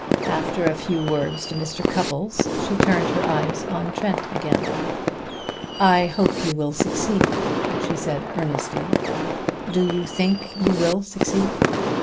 After a few words to Mr. Cupples she turned her eyes on Trent again. "I hope you will succeed," she said earnestly. "Do you think you will succeed?"